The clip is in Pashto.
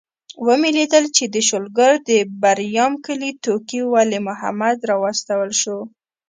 ومې لیدل چې د شلګر د بریام کلي ټوکي ولي محمد راوستل شو.